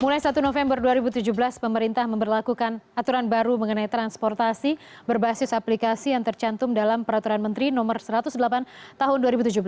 mulai satu november dua ribu tujuh belas pemerintah memperlakukan aturan baru mengenai transportasi berbasis aplikasi yang tercantum dalam peraturan menteri no satu ratus delapan tahun dua ribu tujuh belas